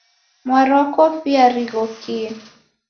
Mwarwa kofia righokie